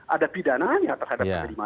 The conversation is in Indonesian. ada pidananya terhadap pak irman